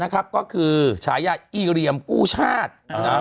ก็คือฉายาอีเหลี่ยมกู้ชาติ